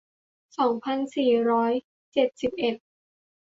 สองพันสี่ร้อยเจ็ดสิบเอ็ด